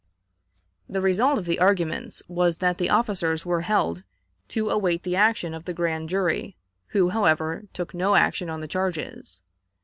'" The result of the arguments was that the officers were held to await the action of the grand jury, who, however, took no action on the charges.